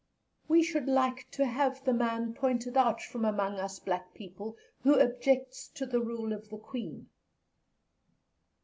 We should like to have the man pointed out from among us black people who objects to the rule of the Queen.